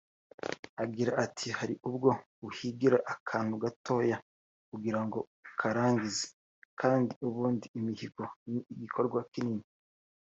Agira ati “Hari ubwo uhigira akantu gatoya kugira ngo ukarangize kandi ubundi imihigo ni igikorwa kinini